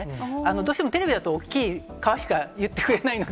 どうしてもテレビだと大きい川しか言ってくれないので。